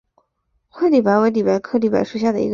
灰里白为里白科里白属下的一个种。